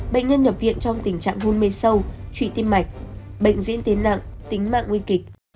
bệnh nhân nhập viện trong tình trạng hôn mê sâu trụy tim mạch bệnh diễn tiến nặng tính mạng nguy kịch